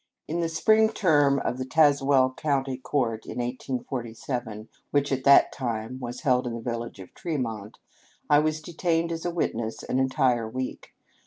In the spring term of the Tazewell County Court in 1847, which at that time was held in the village of Tremont, I was detained as a witness an entire week.